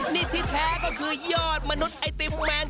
นี่ที่แท้ก็คือยอดมนุษย์ไอติมแมน